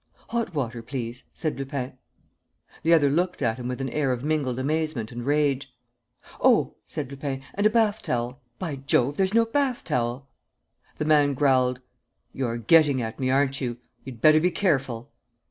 "Hot water, please," said Lupin. The other looked at him with an air of mingled amazement and rage. "Oh," said Lupin, "and a bath towel! By Jove, there's no bath towel!" The man growled: "You're getting at me, aren't you? You'd better be careful!"